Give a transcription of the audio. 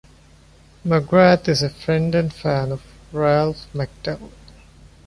McGrath is a friend and fan of Ralph McTell.